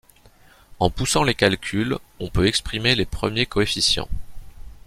En poussant les calculs, on peut exprimer les premiers coefficients.